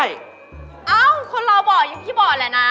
เอ่อคนเราบ่อยยังพี่บ่อยแหละนะ